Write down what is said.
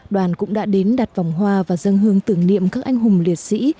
đoàn cũng đã đến đặt vòng hoa và dân hương tưởng niệm các anh hùng liệt sĩ